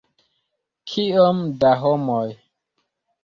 Kiom da homoj!